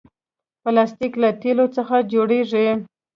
پلاستيک له تیلو څخه جوړېږي.